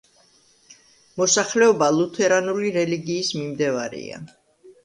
მოსახლეობა ლუთერანული რელიგიის მიმდევარია.